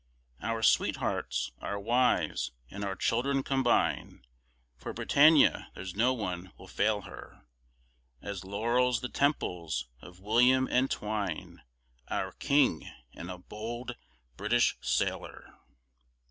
Our Sweethearts, our Wives, & our Children combine, For Britannia there's no one will fail her; As laurels the temples of William entwine, Our King! and a bold British Sailor.